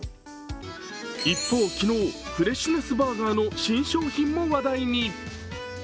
一方、昨日、フレッシュネスバーガーの新商品も話題に。